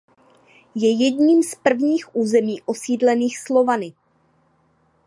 Je jedním z prvních území osídlených Slovany.